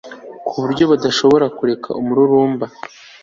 ku buryo badashobora kureka umururumba